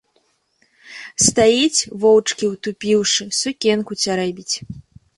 Стаіць, вочкі ўтупіўшы, сукенку цярэбіць.